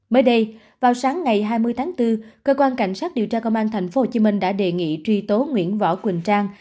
mới đây vào sáng ngày hai mươi tháng bốn cơ quan cảnh sát điều tra công an tp hcm đã đề nghị truy tố nguyễn võ quỳnh trang